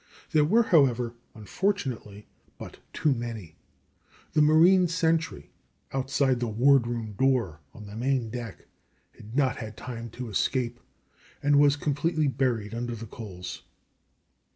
There were, however, unfortunately but too many. The marine sentry outside the ward room door on the main deck had not had time to escape, and was completely buried under the coals.